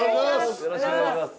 よろしくお願いします。